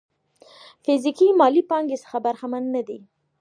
فزيکي مالي پانګې څخه برخمن نه دي.